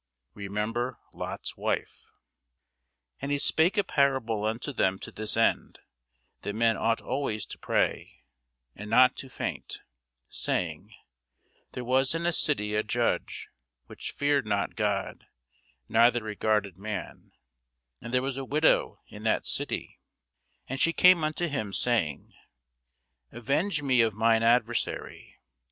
Remember Lot's wife. And he spake a parable unto them to this end, that men ought always to pray, and not to faint; saying, There was in a city a judge, which feared not God, neither regarded man: and there was a widow in that city; and she came unto him, saying, Avenge me of mine adversary.